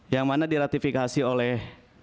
yang mana diratifikasi oleh